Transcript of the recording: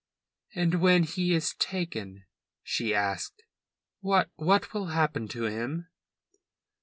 "And when he is taken," she asked, "what what will happen to him?"